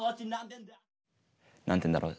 何て言うんだろう